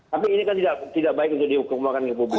tapi ini kan tidak baik untuk dikembangkan ke publik